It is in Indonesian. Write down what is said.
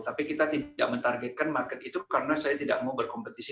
tapi kita tidak mentargetkan market itu karena saya tidak mau berkompetisi